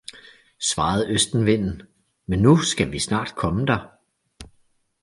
svarede Østenvinden, men nu skal vi snart komme der.